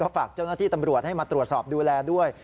ฝากเจ้าหน้าที่ตำรวจให้มาตรวจสอบดูแลด้วย